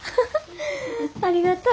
ありがとう。